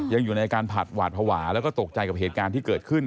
ยังอยู่ในอาการผัดหวาดภาวะแล้วก็ตกใจกับเหตุการณ์ที่เกิดขึ้น